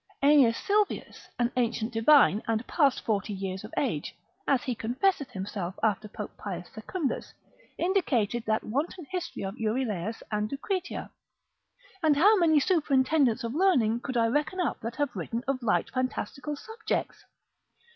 Aeneas Sylvius, an ancient divine, and past forty years of age, (as he confesseth himself, after Pope Pius Secundus) indited that wanton history of Euryalus and Lucretia. And how many superintendents of learning could I reckon up that have written of light fantastical subjects?